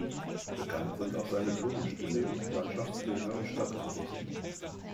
Bekannt sind auch seine Blumenstillleben, Landschaftsbilder und Stadtansichten.